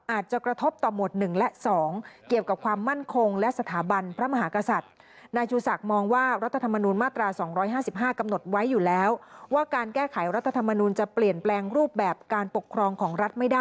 อาจจะกระทบต่อโหมดหนึ่งและสอง